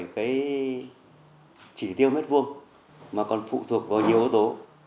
về cái chỉ tiêu mét vuông mà còn phụ thuộc vào nhiều ố tố